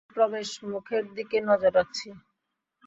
আমি প্রবেশমুখের দিকে নজর রাখছি!